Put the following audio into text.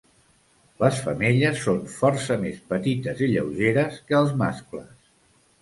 Les femelles són força més petites i lleugeres que els mascles.